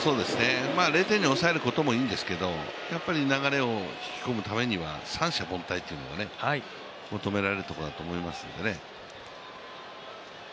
０点に抑えることもいいんですけど、流れを引き込むためには三者凡退っていうのが求められると思いますのでね。